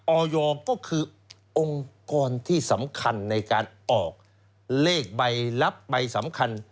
ออยก็คือองค์กรที่สำคัญในการออกเลขใบลับใบสำคัญ